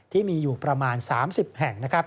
ที่มีอยู่ประมาณ๓๐แห่ง